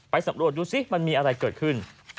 สำรวจดูสิมันมีอะไรเกิดขึ้น